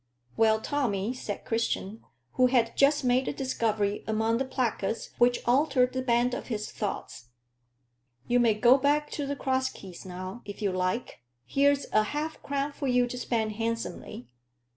"Well, Tommy," said Christian, who had just made a discovery among the placards which altered the bent of his thoughts, "you may go back to the Cross Keys now, if you like; here's a half crown for you to spend handsomely.